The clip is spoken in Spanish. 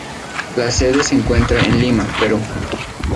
Su sede se encuentra en Lima, Perú.